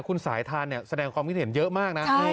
คุณสายทานแสดงความคิดเห็นเยอะมากนะ